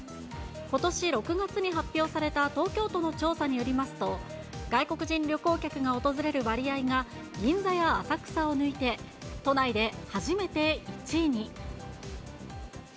ことし６月に発表された東京都の調査によりますと、外国人旅行客が訪れる割合が、銀座や浅草を抜いて、都内で初めて１位に。